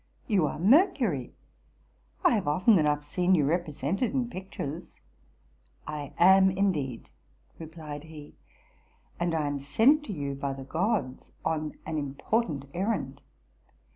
'* You are Mercury —I have often enough seen you represented in pictures.'' —''I am, indeed,"' replied he, '"and am sent to you by the gods on an important errand.